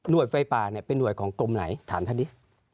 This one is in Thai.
นวดไฟปาเนี้ยเป็นนวดของกมไหนถามท่านดิ